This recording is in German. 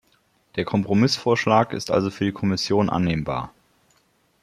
Der Kompromissvorschlag ist also für die Kommission annehmbar.